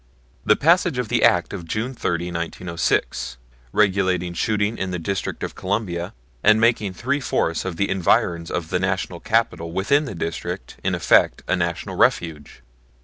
The passage of the Act of June 30, 1906, regulating shooting in the District of Columbia and making three fourths of the environs of the National Capital within the District in effect a National Refuge.